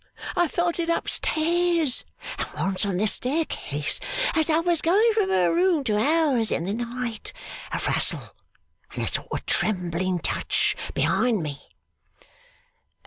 I have felt it up stairs, and once on the staircase as I was going from her room to ours in the night a rustle and a sort of trembling touch behind me.